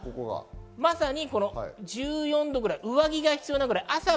まさに１４度ぐらい、上着が必要なくらいです。